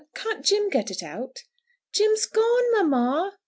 Can't Jim get it out?" "Jim's gone, mamma."